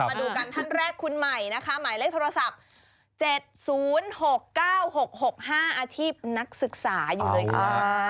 มาดูกันท่านแรกคุณใหม่นะคะหมายเลขโทรศัพท์๗๐๖๙๖๖๕อาชีพนักศึกษาอยู่เลยค่ะ